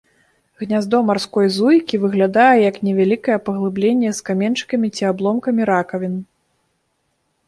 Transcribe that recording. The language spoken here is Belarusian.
Гняздо марской зуйкі выглядае як невялікае паглыбленне з каменьчыкамі ці абломкамі ракавін.